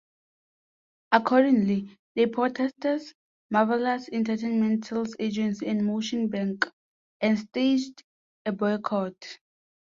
Accordingly, they protested Marvelous Entertainment sales agency and Motion Bank, and staged a boycott.